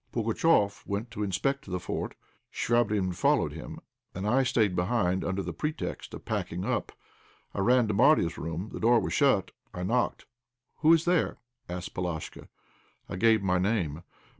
Pugatchéf went to inspect the fort; Chvabrine followed him, and I stayed behind under the pretext of packing up. I ran to Marya's room. The door was shut; I knocked. "Who is there?" asked Polashka. I gave my name.